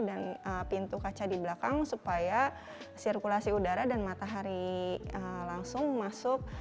dan pintu kaca di belakang supaya sirkulasi udara dan matahari langsung masuk